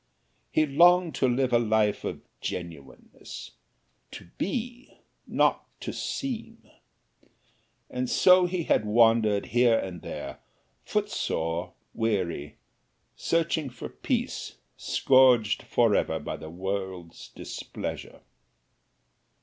He longed to live a life of genuineness to be, not to seem. And so he had wandered here and there, footsore, weary, searching for peace, scourged forever by the world's displeasure.